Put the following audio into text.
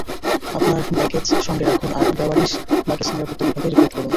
আপনার ব্যাগেজ সঙ্গে রাখুন আর বেওয়ারিশ লাগেজ নিরাপত্তা বিভাগে রিপোর্ট করুন।